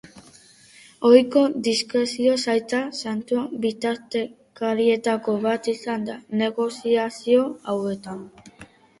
Ohiko diskrezioz, aita santua bitartekarietako bat izan da negoziazio hauetan.